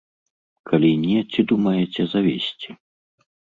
Калі не, ці думаеце завесці?